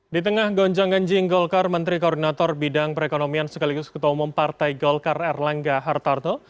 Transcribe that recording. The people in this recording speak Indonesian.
di tengah gonjang ganjing golkar menteri koordinator bidang perekonomian sekaligus ketua umum partai golkar erlangga hartarto